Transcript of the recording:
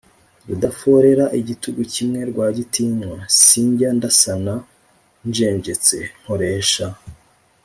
rudaforera igitugu kimwe rwa gitinywa: sinjya ndasana njenjetse, nkoresha